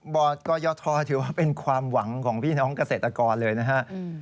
กอยทถือว่าเป็นความหวังของพี่น้องเกษตรกรเลยนะฮะ